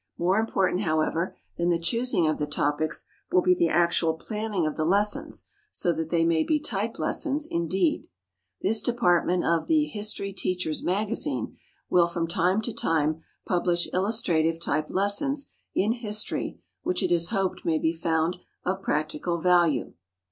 More important, however, than the choosing of the topics will be the actual planning of the lessons so that they may be type lessons indeed. This department of the HISTORY TEACHER'S MAGAZINE will from time to time publish illustrative type lessons in history which it is hoped may be found of practical value.